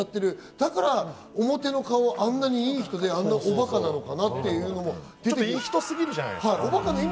裏から表の顔があんなにいい人であんなにおバカなのかなっていういい人すぎるじゃないですか。